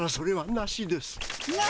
なしです。